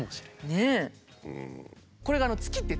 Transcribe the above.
ねえ。